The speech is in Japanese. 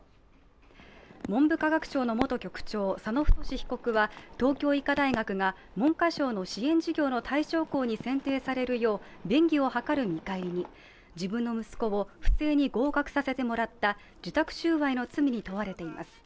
文部科学省の元局長、佐野太被告は東京医科大学が文科省の支援事業の対象校に選定されるよう便宜を図る見返りに自分の息子を不正に合格させてもらった受託収賄の罪に問われています。